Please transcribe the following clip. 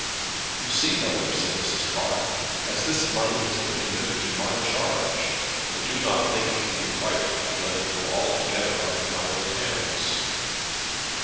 "You see, mother," said Mrs. Prime, "as this money has been committed to my charge, I do not think it can be right to let it go altogether out of my own hands."